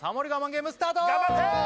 ゲームスタート頑張って！